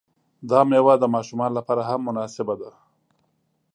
دا میوه د ماشومانو لپاره هم مناسبه ده.